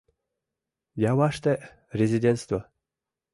— Яваште — резиденство!..